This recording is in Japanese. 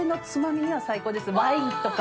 ワインとか。